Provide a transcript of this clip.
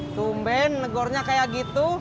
sumbin negornya kayak gitu